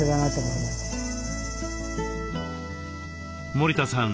森田さん